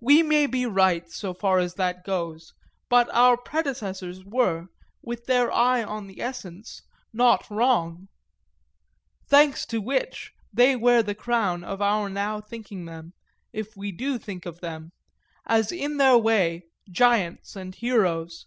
We may be right, so far as that goes, but our predecessors were, with their eye on the essence, not wrong; thanks to which they wear the crown of our now thinking of them if we do think of them as in their way giants and heroes.